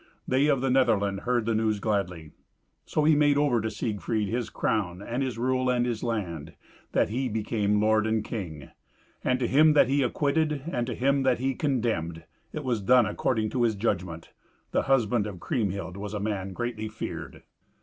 They of the Netherland heard the news gladly. So he made over to Siegfried his crown and his rule and his land, that he became lord and king. And to him that he acquitted, and to him that he condemned, it was done according to his judgment. The husband of Kriemhild was a man greatly feared.